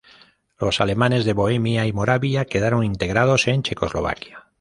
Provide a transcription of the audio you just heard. Los alemanes de Bohemia y Moravia quedaron integrados en Checoslovaquia.